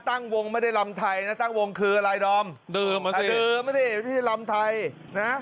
ตั้งวงไม่ได้ลำไทยนะตั้งวงคืออะไรดอมดื่มเหมือนกันดื่มมาสิที่ลำไทยนะ